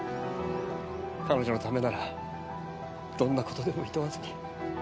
彼女のためならどんな事でもいとわずに。